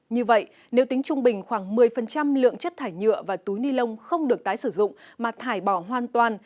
như vậy nếu tính trung bình khoảng một mươi lượng chất thải nhựa và túi ni lông không được tái sử dụng mà thải bỏ hoàn toàn